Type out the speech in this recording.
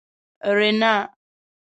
رینا